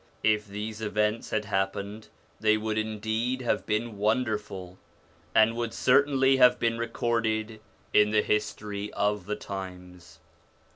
If these events had happened they would indeed have been wonderful, and would certainly have been recorded in the history of the times.